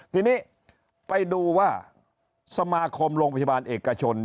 ทีนี้ไปดูว่าสมาคมโรงพยาบาลเอกชน